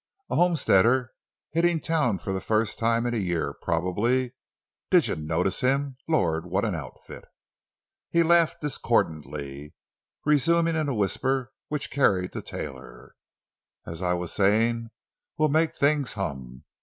A homesteader hitting town for the first time in a year, probably. Did you notice him? Lord, what an outfit!" He laughed discordantly, resuming in a whisper which carried to Taylor: "As I was saying, we'll make things hum.